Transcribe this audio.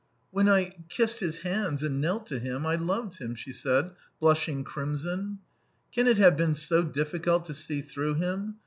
.." "When I ... kissed his hands and knelt to him, I loved him ..." she said, blushing crimson. "Can it have been so difficult to see through him?